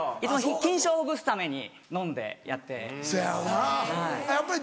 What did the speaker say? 緊張をほぐすために飲んでやってるので。